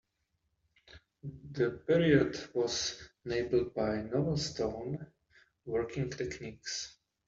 The period was enabled by novel stone working techniques.